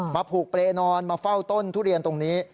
ผูกเปรย์นอนมาเฝ้าต้นทุเรียนตรงนี้